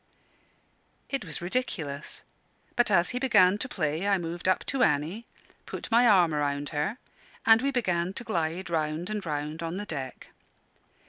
It was ridiculous, but as he began to play I moved up to Annie, put my arm around her, and we began to glide round and round on the deck.